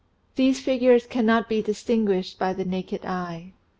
These figures cannot be distinguished by the naked eye.